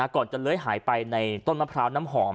ก่อนจะเล้ยหายไปในต้นมะพร้าวน้ำหอม